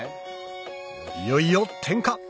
いよいよ点火！